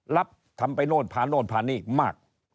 รับทำไปโน่นผ่านโน่นผ่านนี้มาก